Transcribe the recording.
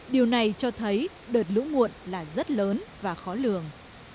điều này cho thấy đợt lũ muộn là rất lớn và khó lường